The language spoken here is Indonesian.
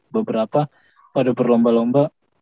beberapa pada berlomba lomba